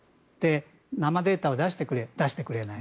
生データを出してくれ出してくれない。